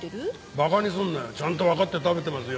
バカにすんなよ。ちゃんとわかって食べてますよ。